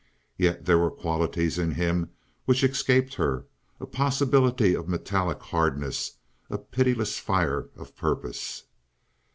Yet there were qualities in him which escaped her, a possibility of metallic hardness, a pitiless fire of purpose.